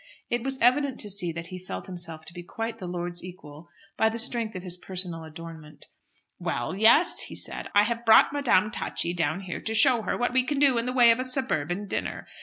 It was evident to see that he felt himself to be quite the lord's equal by the strength of his personal adornment. "Well, yes," he said, "I have brought Madame Tacchi down here to show her what we can do in the way of a suburban dinner.